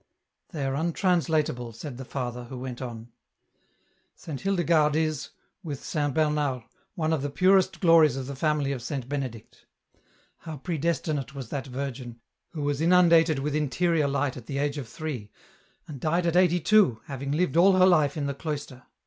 " They are untranslatable," said the father, who went on, " Saint Hildegarde is, with Saint Bernard, one of the purest glories of the family of Saint Benedict. How pre destinate was that virgin, who was inundated with interior light at the age of three, and died at eighty two, having lived all her life in the cloister